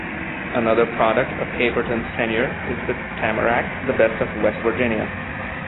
Another product of Caperton's tenure is the "Tamarack, the Best of West Virginia".